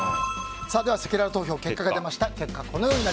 せきらら投票、結果が出ました。